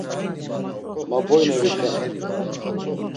Ma boyne vixenam.